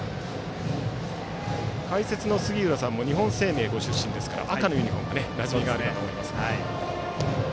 解説の杉浦さんも日本生命ご出身ですから赤のユニフォームになじみがあると思いますけども。